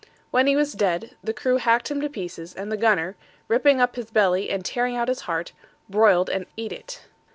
When he was dead, the crew hacked him to pieces, and the gunner, ripping up his belly and tearing out his heart, broiled and eat it.